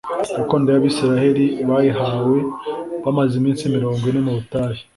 Gakondo yabisiraheri bayihawe bamaze iminsi mirongo ine mu butayu